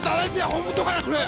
ほんとかなこれ。